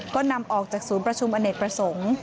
ก็นำออกจากศูนย์ประชุมอเนกประสงค์